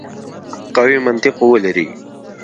قوي منطق ولري.